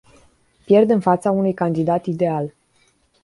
Pierd în fața unui candidat ideal.